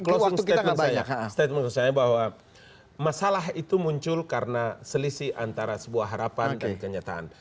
closing statement saya statement saya bahwa masalah itu muncul karena selisih antara sebuah harapan dan kenyataan